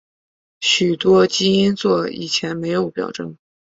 许多基因座以前没有表征。